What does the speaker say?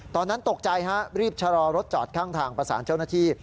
ตอนนั้นตกใจฮะรีบชะลอรถจอดข้างทางประสานเจ้าหน้าที่